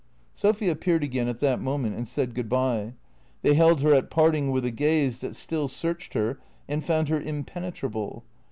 Sophy appeared again at that moment and said good bye. They held her at parting with a gaze that still searched her and found her impenetrable.